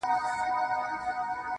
څڼي سرې شونډي تكي تـوري سترگي.